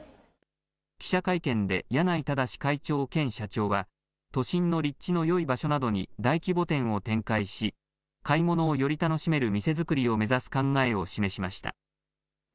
記者会見で柳井正会長兼社長は、都心の立地のよい場所などに大規模店を展開し、買い物をより楽しめる店作りを目指す考えを示しました。